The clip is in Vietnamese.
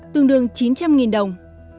tương đương chín trăm linh đồng